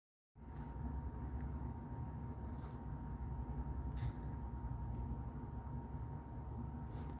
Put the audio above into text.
هو متزوج وله طفلان